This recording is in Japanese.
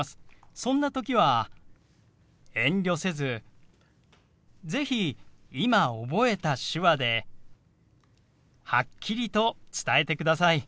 そんな時は遠慮せず是非今覚えた手話ではっきりと伝えてください。